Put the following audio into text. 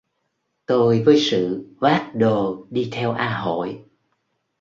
Tôi với Sự vác đồ đi theo A Hội